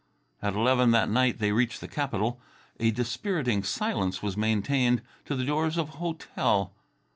At eleven that night they reached the capital. A dispiriting silence was maintained to the doors of a hotel.